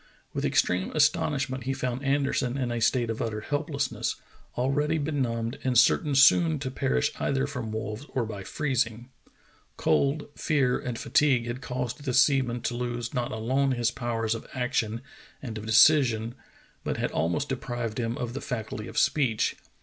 With extreme astonishment he found Anderson in a state of utter helplessness, already benumbed and certain soon to perish either from wolves or by freezing. Cold, fear, and fatigue had caused the seaman to lose not alone his power of action and of de cision, but had almost deprived him of the faculty of speech.